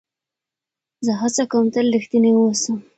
زه هڅه کوم تل رښتینی واوسم.